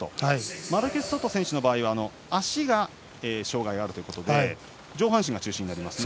マルケスソト選手の場合は足に障がいがあるということで上半身が中心になりますね。